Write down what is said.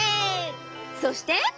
そして。